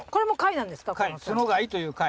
角貝という貝。